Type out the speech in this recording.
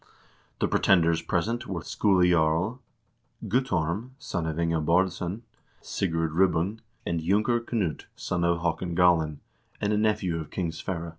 The pretenders present were : Skule Jarl, Guttorm, son of Inge Baardsson, Sigurd Ribbung, and Junker Knut, son of Haakon Galin, and a nephew of King Sverre.